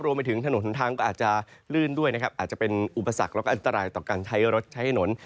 รวมไปถึงถนนหนทางก็อาจจะลื่นด้วยนะครับอาจจะเป็นอุปสรรคแล้วก็อันตรายต่อการใช้รถใช้ถนน